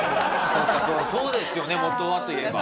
そうですよね元はと言えば。